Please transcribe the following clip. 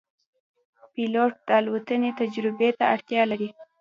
پیلوټ د الوتنې تجربې ته اړتیا لري.